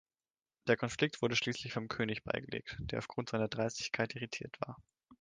Der Konflikt wurde schließlich vom König beigelegt, der aufgrund seiner Dreistigkeit irritiert war.